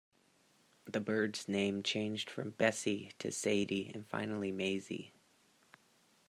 The bird's name changed from Bessie to Saidie and finally Mayzie.